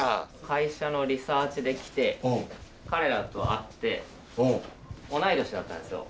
会社のリサーチで来て彼らと会って同い年だったんですよ。